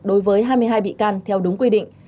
đối với hai mươi hai bị can theo đúng quy định